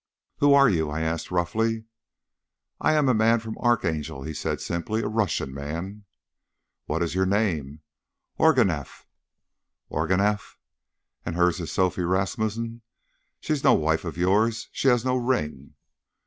"Who are you?" I asked roughly. "I am a man from Archangel," he said simply; "a Russian man." "What is your name?" "Ourganeff." "Ourganeff! and hers is Sophie Ramusine. She is no wife of yours. She has no ring."